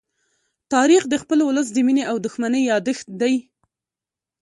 تاریخ د خپل ولس د مینې او دښمنۍ يادښت دی.